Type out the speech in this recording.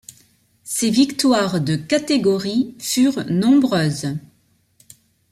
Ses victoires de catégorie furent nombreuses.